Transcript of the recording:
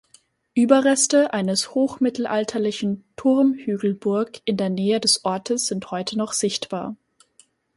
Überreste eines hochmittelalterlichen Turmhügelburg in der Nähe des Ortes sind heute noch sichtbar.